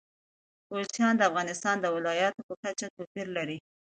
کوچیان د افغانستان د ولایاتو په کچه توپیر لري.